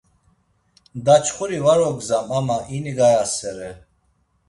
Daçxuri var ogzam ama ini gayasere.